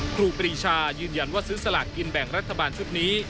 ครูปรีชายืนยันว่าซื้อสลากกินแบ่งรัฐบาลชุดนี้